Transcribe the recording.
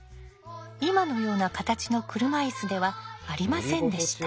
今のような形の車いすではありませんでした。